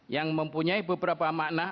yang mempunyai beberapa makna